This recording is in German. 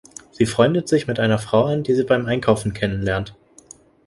Sie freundet sich mit einer Frau an, die sie beim Einkaufen kennenlernt.